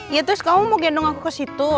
ya terus kamu mau gendong aku ke situ